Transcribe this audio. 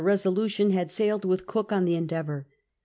Besdvtum had sailed with Cook on the Endeavour